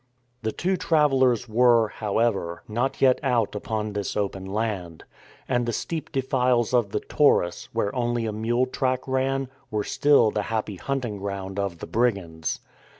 The two travellers were, however, not yet out upon this open land. And the steep defiles of the Taurus, where only a mule track ran, were still the happy hunting ground of the brigands.